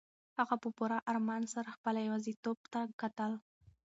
هغه په پوره ارمان سره خپله یوازیتوب ته کتل.